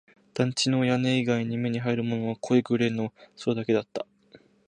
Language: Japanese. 団地の屋根以外に目に入るものは濃いグレーの空だけだった